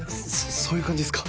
そういう感じっすか？